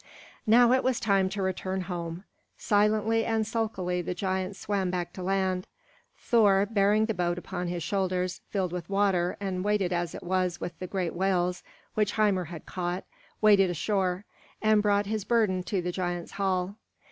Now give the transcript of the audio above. Now it was time to return home. Silently and sulkily the giant swam back to land; Thor, bearing the boat upon his shoulders, filled with water and weighted as it was with the great whales which Hymir had caught, waded ashore, and brought his burden to the giant's hall.